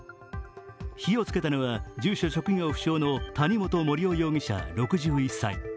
火をつけたのは住所・職業不詳の谷本盛雄与儀６１歳。